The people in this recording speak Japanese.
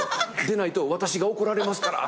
「でないと私が怒られますから！」